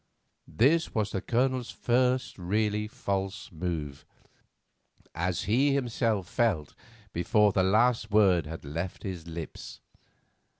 This was the Colonel's first really false move, as he himself felt before the last word had left his lips.